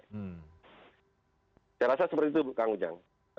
saya rasa seperti itu kang ujang